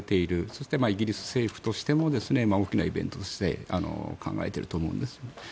そしてイギリス政府としても大きなイベントとして考えていると思うんです。